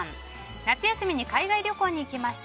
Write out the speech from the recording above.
夏休みに海外旅行に行きました。